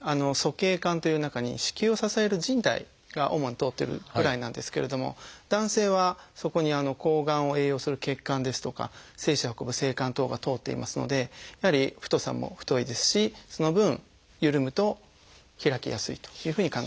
鼠径管という中に子宮を支えるじん帯が主に通ってるぐらいなんですけれども男性はそこに睾丸を栄養する血管ですとか精子を運ぶ精管等が通っていますのでやはり太さも太いですしその分ゆるむと開きやすいというふうに考えられてます。